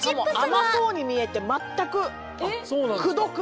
しかも甘そうに見えて全くくどくない。